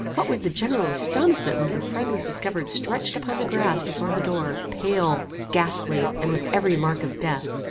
What was the general astonishment when your friend was discovered stretched upon the grass before the door, pale, ghastly, and with every mark of death!